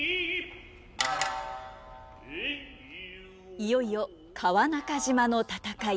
いよいよ川中島の戦い！